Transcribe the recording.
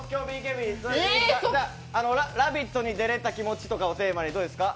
「ラヴィット！」に出れた気持ちとかをテーマにどうですか？